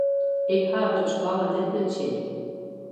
Ik ha it op skoalle net nei it sin.